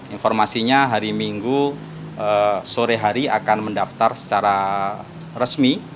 informasinya hari minggu sore hari akan mendaftar secara resmi